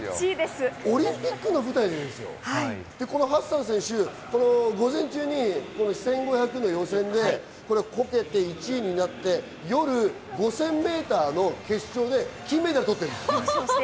オリンピックの舞台でですよ、ハッサン選手、午前中に１５００の予選でこけて１位になって、夜、５０００ｍの決勝で金メダル取ってるんです。